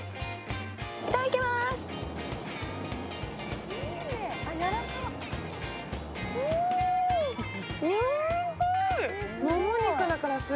いただきまーす。